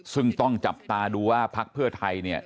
ซึ่งต้องจับตาดูว่าพักเพื่อไทยเนี่ย